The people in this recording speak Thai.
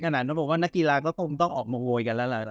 ขนาดนั้นบอกว่านักกีฬาก็คงต้องออกมาโวยกันแล้วล่ะ